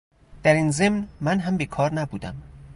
دراین ضمن من هم بیکار نبودم